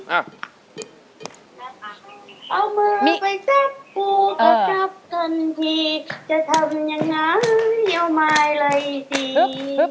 เอามือไปจับกูก็จับทันทีจะทำอย่างไรยาวไม่ไรสิ